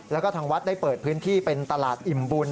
แล้วก็ทางวัดได้เปิดพื้นที่เป็นตลาดอิ่มบุญ